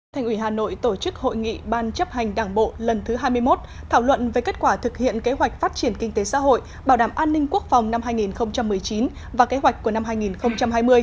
thành ủy hà nội tổ chức hội nghị ban chấp hành đảng bộ lần thứ hai mươi một thảo luận về kết quả thực hiện kế hoạch phát triển kinh tế xã hội bảo đảm an ninh quốc phòng năm hai nghìn một mươi chín và kế hoạch của năm hai nghìn hai mươi